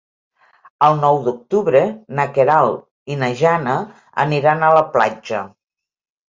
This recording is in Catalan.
El nou d'octubre na Queralt i na Jana aniran a la platja.